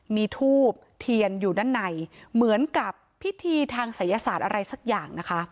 มีทูบเทียนอยู่ด้านในเหมือนกับพิธีทางศัยศาสตร์อะไรสักอย่างนะคะ